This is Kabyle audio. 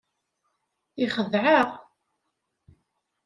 Yexdeɛ-aɣ.